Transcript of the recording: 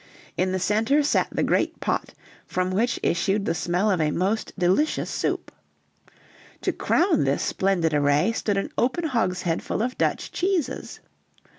In the center sat the great pot, from which issued the smell of a most delicious soup. To crown this splendid array, stood an open hogshead full of Dutch cheeses.